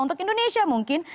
untuk indonesia mungkin